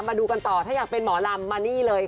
มาดูกันต่อถ้าอยากเป็นหมอลำมานี่เลย